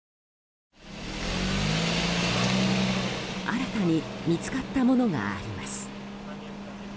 新たに見つかったものがあります。